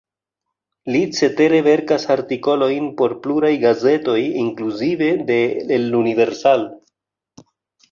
Li cetere verkas artikolojn por pluraj gazetoj, inkluzive de "El Universal".